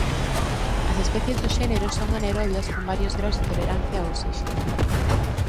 As especies do xénero son anaerobias con varios graos de tolerancia ao oxíxeno.